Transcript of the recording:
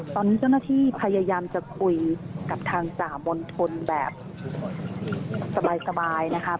ตอนนี้เจ้าหน้าที่พยายามจะคุยกับทางจ่ามณฑลแบบสบายนะคะ